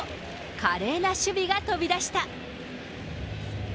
華麗な守備が飛び出した。